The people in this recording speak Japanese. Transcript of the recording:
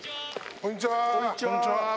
こんにちは。